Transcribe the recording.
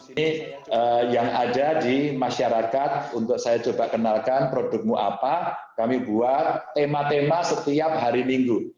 ini yang ada di masyarakat untuk saya coba kenalkan produkmu apa kami buat tema tema setiap hari minggu